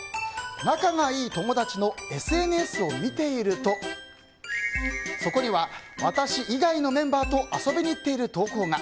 仲がいい友達のＳＮＳを見ているとそこには、私以外のメンバーと遊びに行っている投稿が。